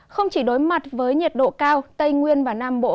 không chỉ đối mặt với nhiệt độ cao tây nguyên và nam bộ